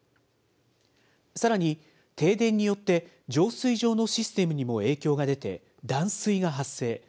さらに、停電によって、浄水場のシステムにも影響が出て、断水が発生。